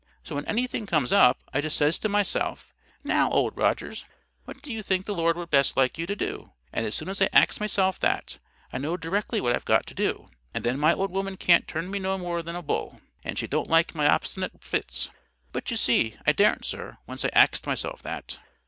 So when anything comes up, I just says to myself, 'Now, Old Rogers, what do you think the Lord would best like you to do?' And as soon as I ax myself that, I know directly what I've got to do; and then my old woman can't turn me no more than a bull. And she don't like my obstinate fits. But, you see, I daren't sir, once I axed myself that."